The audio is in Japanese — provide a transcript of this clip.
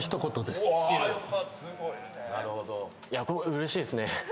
うれしいっすね。